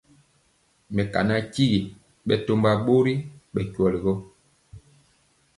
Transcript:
Mekana tyigi bɛtɔmba bori bɛ kweli gɔ.